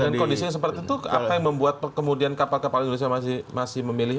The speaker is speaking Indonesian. dengan kondisi yang seperti itu apa yang membuat kemudian kapal kapal indonesia masih memilih